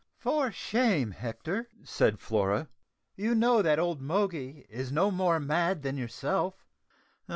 "For shame, Hector," said Flora; "you know that poor old Moggy is no more mad than yourself."